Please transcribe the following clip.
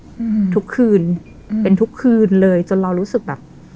อืมทุกคืนอืมเป็นทุกคืนเลยจนเรารู้สึกแบบ